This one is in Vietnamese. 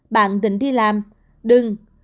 bạn định đi làm đừng